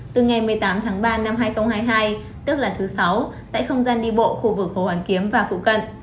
từ ngày một mươi tám tháng ba năm hai nghìn hai mươi hai tức là thứ sáu tại không gian đi bộ khu vực hồ hoàn kiếm và phụ cận